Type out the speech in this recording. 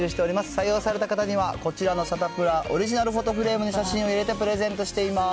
採用された方には、こちらのサタプラオリジナルフォトフレームに写真を入れてプレゼントしています。